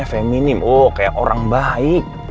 dia kayak feminim oh kayak orang baik